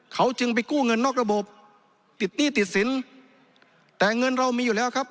เขาจึงไปกู้เงินนอกระบบติดหนี้ติดสินแต่เงินเรามีอยู่แล้วครับ